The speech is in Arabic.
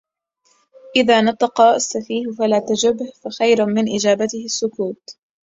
إذا نطق السفيه فلا تجبه... فخير من إجابته السكوت